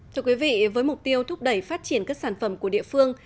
thưa quý vị với mục tiêu thúc đẩy phát triển các sản phẩm của địa phương